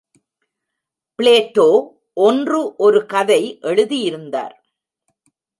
Plato ஒன்று ஒரு கதை எழுதியிருந்தார்.